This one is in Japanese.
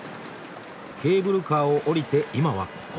ケーブルカーを降りて今はここ。